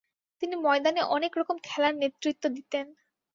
তিনি ময়দানে অনেকরকম খেলার নেতৃত্ব দিতেন।